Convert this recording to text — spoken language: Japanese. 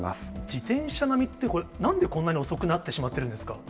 自転車並みって、なんでこんなに遅くなってしまっているんですか？